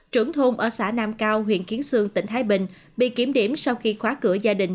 trưởng thôn ở xã nam cao huyện kiến sương tỉnh thái bình bị kiểm điểm sau khi khóa cửa gia đình